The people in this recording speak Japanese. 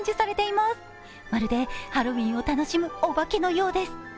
まるでハロウィーンを楽しむおばけのようです。